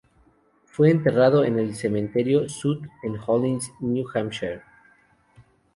Fue enterrado en el cementerio South, en Hollis, New Hampshire.